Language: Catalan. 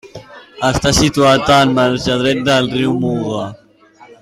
Està situat al marge dret del riu Muga.